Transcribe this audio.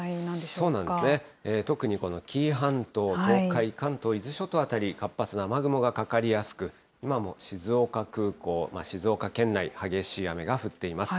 そうなんですね、特にこの紀伊半島、東海、関東、伊豆諸島辺り、活発な雨雲がかかりやすく、今も静岡空港、静岡県内、激しい雨が降っています。